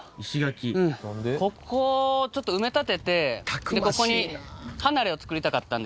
ここをちょっと埋め立ててでここに離れを作りたかったんですよ。